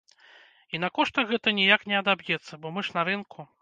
І на коштах гэта ніяк не адаб'ецца, бо мы ж на рынку.